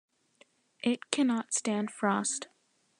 It cannot stand frost.